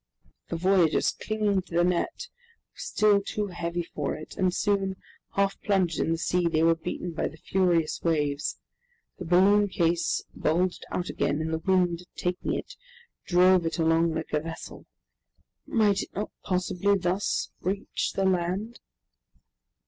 The voyagers, clinging to the net, were still too heavy for it, and soon, half plunged into the sea, they were beaten by the furious waves. The balloon case bulged out again, and the wind, taking it, drove it along like a vessel. Might it not possibly thus reach the land?